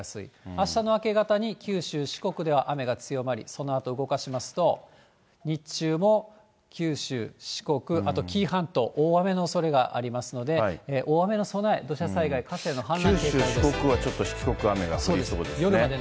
あしたの明け方に九州、四国では雨が強まり、そのあと動かしますと、日中も九州、四国、あと紀伊半島、大雨のおそれがありますので、大雨の備え、九州、四国はちょっとしつこく雨が降りそうですね。